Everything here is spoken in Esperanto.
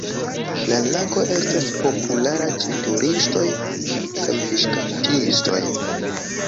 La lago estas populara ĉe turistoj kaj fiŝkaptistoj.